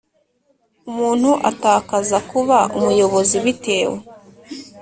Umuntu atakaza kuba umuyobozi bitewe